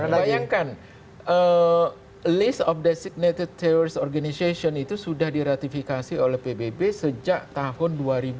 anda bayangkan list of designated terors organization itu sudah diratifikasi oleh pbb sejak tahun dua ribu dua